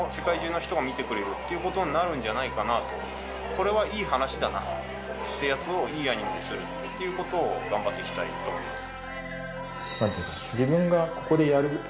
これはいい話だなってやつをいいアニメにするっていうことを頑張っていきたいと思います。